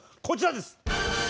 こちらです！